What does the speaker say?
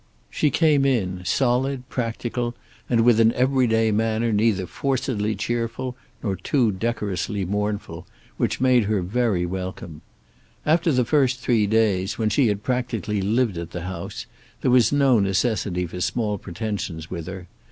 She came in, solid, practical, and with an everyday manner neither forcedly cheerful nor too decorously mournful, which made her very welcome. After the three first days, when she had practically lived at the house, there was no necessity for small pretensions with her.